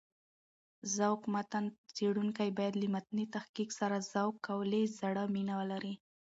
ذوق متن څېړونکی باید له متني تحقيق سره ذوق او له زړه مينه ولري.